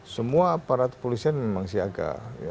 semua aparat polisian memang siaga